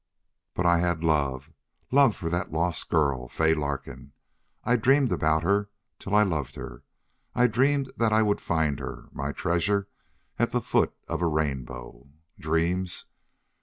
But I had love love for that lost girl, Fay Larkin. I dreamed about her till I loved her. I dreamed that I would find her my treasure at the foot of a rainbow. Dreams!...